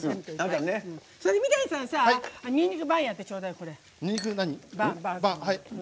三谷さんは、にんにくバーンやってちょうだい。